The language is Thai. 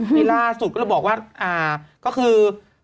ที่ล่าสุดก็เลยบอกว่าก็คือ